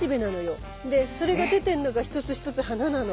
でそれが出てんのが一つ一つ花なの。